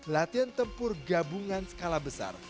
latihan tempur gabungan skala besar